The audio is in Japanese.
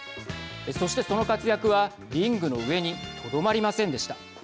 そして、その活躍はリングの上にとどまりませんでした。